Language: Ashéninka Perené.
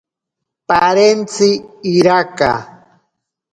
Parentzi iraka.